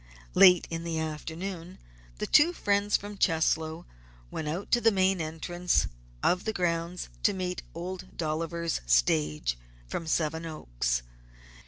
Late in the afternoon the two friends from Cheslow went out to the main entrance of the grounds to meet Old Dolliver's stage from Seven Oaks.